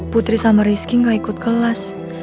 putri sama rizky gak ikut kelas